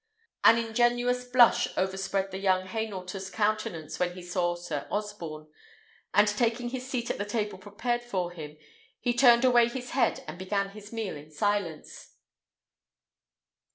An ingenuous blush overspread the young Hainaulter's countenance when he saw Sir Osborne, and taking his seat at the table prepared for him, he turned away his head and began his meal in silence.